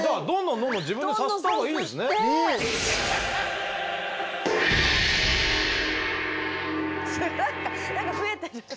どんどん増えてる。